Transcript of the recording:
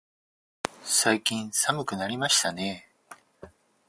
最近寒くなりましたね。